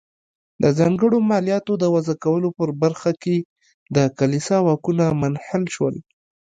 د ځانګړو مالیاتو د وضع کولو په برخه کې د کلیسا واکونه منحل شول.